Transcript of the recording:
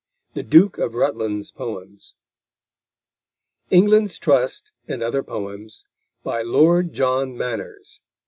THE DUKE OF RUTLAND'S POEMS ENGLAND'S TRUST AND OTHER POEMS. _By Lord John Manners.